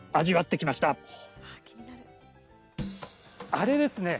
あれですね。